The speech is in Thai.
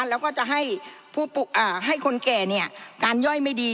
แล้วก็จะให้คนแก่เนี่ยการย่อยไม่ดี